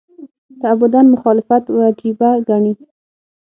تعبداً مخالفت وجیبه ګڼي.